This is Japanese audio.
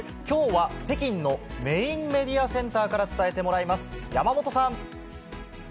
きょうは北京のメインメディアセンターから伝えてもらいます。